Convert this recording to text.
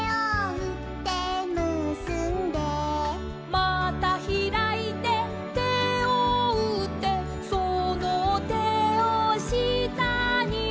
「またひらいて手をうって」「その手をしたに」